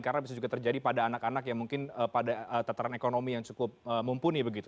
karena bisa juga terjadi pada anak anak yang mungkin pada tataran ekonomi yang cukup mumpuni begitu